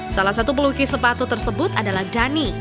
salah satu pelukis sepatu tersebut adalah dani